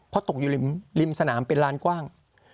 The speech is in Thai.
เพราะตกอยู่ริมสนามเป็นลานกว้าง